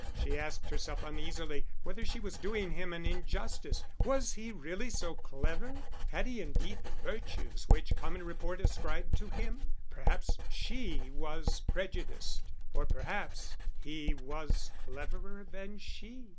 She asked herself uneasily whether she was doing him an injustice. Was he really so clever; had he indeed the virtues which common report ascribed to him? Perhaps she was prejudiced; or perhaps he was cleverer than she.